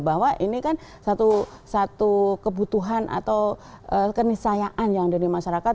bahwa ini kan satu kebutuhan atau kenisayaan yang ada di masyarakat